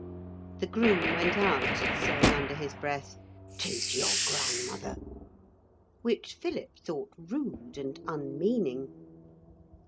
The groom went out, saying under his breath, 'Teach your grandmother,' which Philip thought rude and unmeaning.